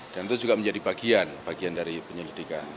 dan itu juga menjadi bagian bagian dari penyidikan